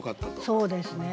そうですね。